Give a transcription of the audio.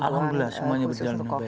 alhamdulillah semuanya berjalan dengan baik